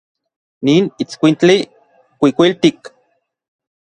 Nin itskuintli kuikuiltik.